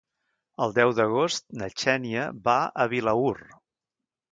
El deu d'agost na Xènia va a Vilaür.